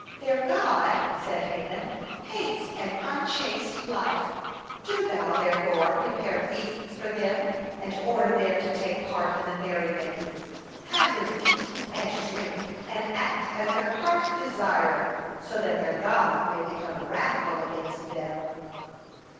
"Their God," said Haman, "hates an unchaste life. Do thou, therefore, prepare feasts for them, and order them to take part in the merry makings. Have them eat and drink and act as their heart desireth, so that their God may become wrathful against them."